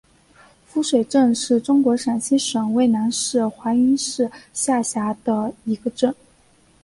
夫水镇是中国陕西省渭南市华阴市下辖的一个镇。